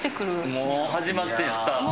もう始まってん？スタート。